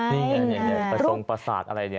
นี่นี่นี่นี่ประสงค์ประสาทอะไรเนี่ย